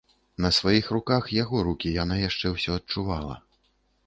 На сваіх руках яго рукі яна яшчэ ўсё адчувала.